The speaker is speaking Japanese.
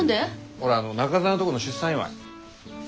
ほらあの仲澤のとこの出産祝い。